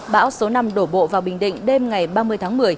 bão số năm đổ bộ vào bình định đêm ngày ba mươi tháng một mươi